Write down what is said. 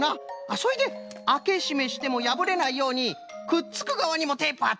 それであけしめしてもやぶれないようにくっつくがわにもテープはったんじゃね！